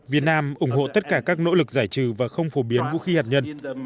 việt nam ủng hộ tất cả các nỗ lực giải trừ và không phổ biến vũ khí hạt nhân